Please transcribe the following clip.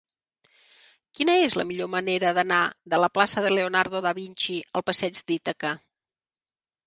Quina és la millor manera d'anar de la plaça de Leonardo da Vinci al passeig d'Ítaca?